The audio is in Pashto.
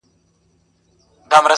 ښه دیقاسم یار چي دا ثواب او دا ګنا کوي,